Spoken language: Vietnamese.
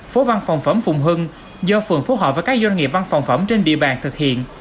phố văn phòng phẩm phùng hưng do phường phù hợp với các doanh nghiệp văn phòng phẩm trên địa bàn thực hiện